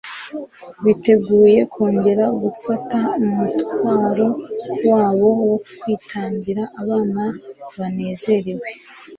biteguye kongera gufata umutwa'ro wabo wo kwitangira abana babo banezerewe